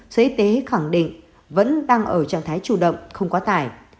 sở y tế khẳng định vẫn đang ở trạng thái chủ động không quá tải